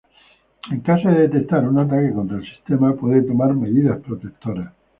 En caso de detectar un ataque contra el sistema, puede tomar medidas protectoras.